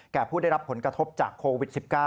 ผู้ได้รับผลกระทบจากโควิด๑๙